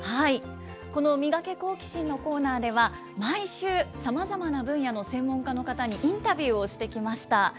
このミガケ、好奇心！のコーナーでは、毎週、さまざまな分野の専門家の方にインタビューをしてきました。